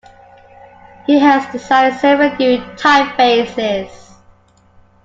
He has designed several new typefaces.